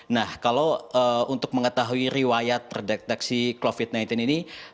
nah kalau untuk mengetahui riwayat terdeteksi covid sembilan belas ini